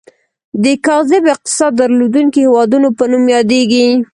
د کاذب اقتصاد درلودونکي هیوادونو په نوم یادیږي.